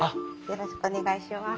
よろしくお願いします。